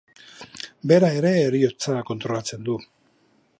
Bera ere heriotza kontrolatzen du.